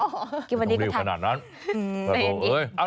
วันนี้ก็ทันไม่ต้องรีบขนาดนั้นแบบนี้อืม